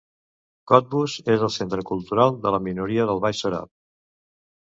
Cottbus és el centre cultural de la minoria del baix sòrab.